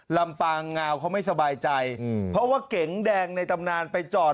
ลำปางงาวเขาไม่สบายใจเพราะว่าเก๋งแดงในตำนานไปจอด